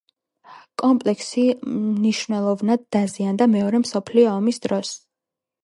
კომპლექსი მნიშვნელოვნად დაზიანდა მეორე მსოფლიო ომის დროს.